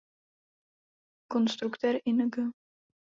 Konstruktér ing.